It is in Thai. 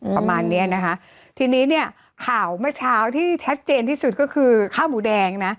ประมาณเนี้ยนะคะทีนี้เนี่ยข่าวเมื่อเช้าที่ชัดเจนที่สุดก็คือข้าวหมูแดงนะ